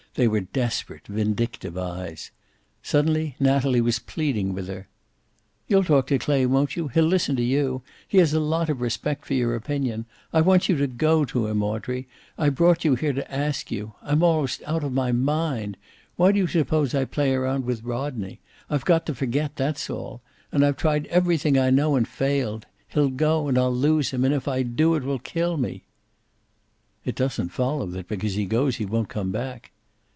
They were desperate, vindictive eyes. Suddenly Natalie was pleading with her. "You'll talk to Clay, won't you? He'll listen to you. He has a lot of respect for your opinion. I want you to go to him, Audrey. I brought you here to ask you. I'm almost out of my mind. Why do you suppose I play around with Rodney? I've got to forget, that's all. And I've tried everything I know, and failed. He'll go, and I'll lose him, and if I do it will kill me." "It doesn't follow that because he goes he won't come back."